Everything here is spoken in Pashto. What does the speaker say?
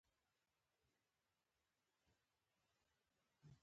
واش د سیخ بندۍ په واسطه تقویه کیږي